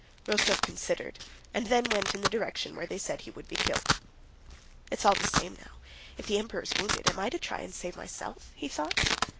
Rostóv considered, and then went in the direction where they said he would be killed. "It's all the same now. If the Emperor is wounded, am I to try to save myself?" he thought.